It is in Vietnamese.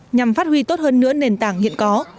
nhằm phát huy tốt hơn nữa nền tảng hiện có